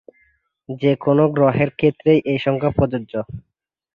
যেকোন গ্রহের ক্ষেত্রেই এই সংজ্ঞা প্রযোজ্য।